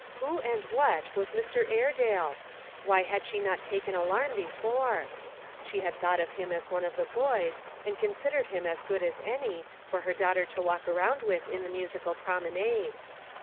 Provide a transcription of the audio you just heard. Who and what was Mr. Airedale ? Why had she not taken alarm before ? She had thought of him as one of the boys, and considered him as good as any, for her daughter to walk around with in the musical promenade.